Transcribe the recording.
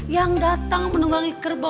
yang datang menunggangi kerbau